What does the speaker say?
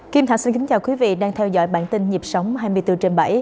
kim thạch xin kính chào quý vị đang theo dõi bản tin nhịp sống hai mươi bốn trên bảy